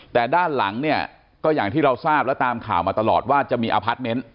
แต่ด้านหลังเนี่ยก็อย่างที่เราทราบและตามข่าวมาตลอดว่าจะมีอพาร์ทเมนต์